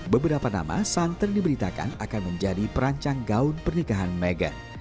beberapa nama santer diberitakan akan menjadi perancang gaun pernikahan meghan